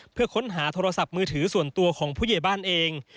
เพื่อค้นหาโทรศัพท์มือถือส่วนตัวของผู้ใหญ่บ้านเอง